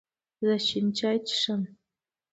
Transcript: زه شین چای څښم